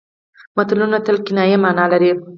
متلونه تل کنايي مانا لري